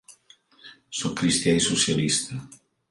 Sóc cristià i socialista.